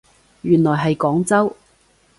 原來係廣州